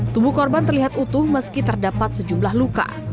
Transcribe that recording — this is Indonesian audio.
tubuh korban terlihat utuh meski terdapat sejumlah luka